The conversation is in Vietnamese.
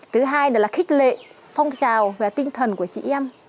thứ hai là khích lệ phong trào và tinh thần của chị em